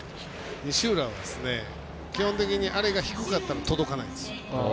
西浦は、基本的にあれが低かったら届かないんですよ。